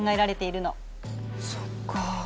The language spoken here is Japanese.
そっか。